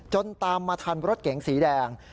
ตามมาทันรถเก๋งสีแดง